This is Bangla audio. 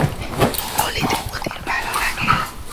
বলিতে মতির ভালো লাগে।